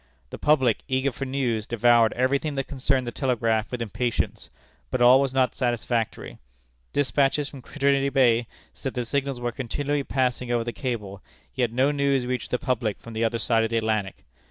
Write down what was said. The public, eager for news, devoured every thing that concerned the telegraph with impatience, but all was not satisfactory. Despatches from Trinity Bay said that signals were continually passing over the cable, yet no news reached the public from the other side of the Atlantic.